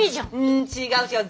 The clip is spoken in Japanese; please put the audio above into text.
ん違う違う。